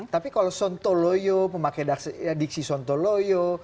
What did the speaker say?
tapi kalau sontoloyo memakai diksi sontoloyo